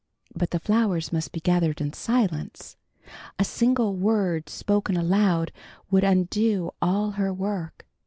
But the flowers must be gathered in silence. A single word spoken aloud would undo all her work.